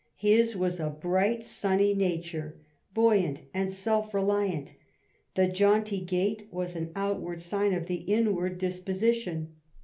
His was a bright, sunny nature, buoyant and self reliant ; the jaunty gait was an out ward sign of the inward disposition.